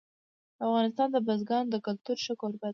افغانستان د بزګانو د کلتور ښه کوربه دی.